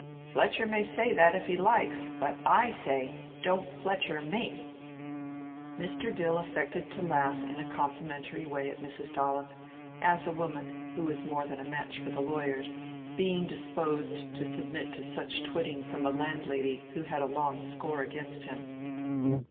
Fletcher may say that if he likes, but I say, don't Fletcher me!" Mr. Dill affected to laugh in a complimentary way at Mrs. Dollop, as a woman who was more than a match for the lawyers; being disposed to submit to much twitting from a landlady who had a long score against him.